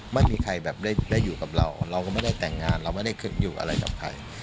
ไม่มีใครแบบได้อยู่กับเราเราก็ไม่ได้แต่งงานเราไม่ได้ขึ้นอยู่อะไรกับใคร